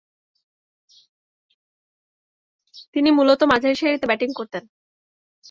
তিনি মূলতঃ মাঝারিসারিতে ব্যাটিং করতেন।